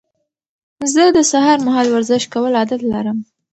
زه د سهار مهال ورزش کولو عادت لرم.